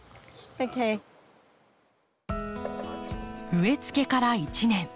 植えつけから１年。